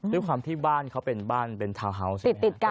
ด้วยความที่บ้านเขาเป็นบ้านเป็นทาวน์ฮาวส์ติดกัน